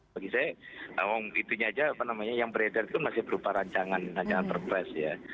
bagi saya itunya aja apa namanya yang beredar itu masih berupa rancangan rancangan perpres ya